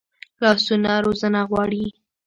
لاسونه روزنه غواړي